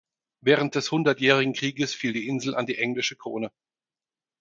Während des Hundertjährigen Krieges fiel die Insel an die englische Krone.